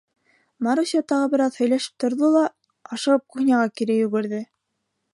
Маруся тағы бер аҙ һөйләшеп торҙо ла ашығып кухняға кире йүгерҙе.